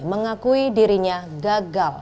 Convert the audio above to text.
mengakui dirinya gagal